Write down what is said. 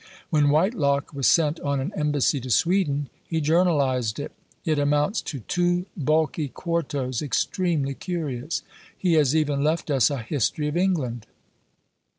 When Whitelocke was sent on an embassy to Sweden, he journalised it; it amounts to two bulky quartos, extremely curious. He has even left us a History of England.